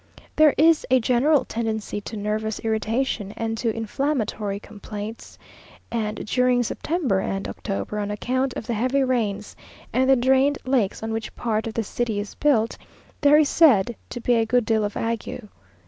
There is a general tendency to nervous irritation, and to inflammatory complaints, and during September and October, on account of the heavy rains and the drained lakes on which part of the city is built, there is said to be a good deal of ague.